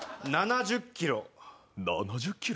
７０キロ。